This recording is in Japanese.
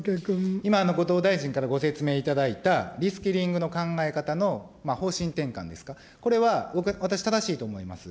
今、後藤大臣からご説明いただいた、リスキリングの考え方の方針転換ですか、これは私、正しいと思います。